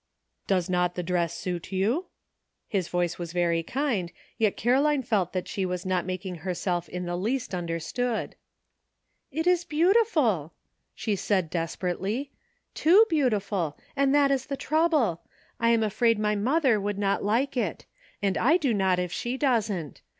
'* Does not the dress suit you? " His voice was very kind, yet Caroline felt that she was not making herself in the least understood. *' It is beautiful !" she said desperately ;'' too beautiful, and that is the trouble. I am afraid my mother would not like it ; and I do not if she doesn't.